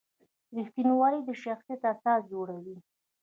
رښتینولي د شخصیت اساس جوړوي.